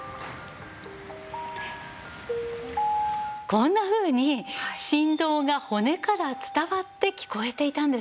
こんなふうに振動が骨から伝わって聞こえていたんです。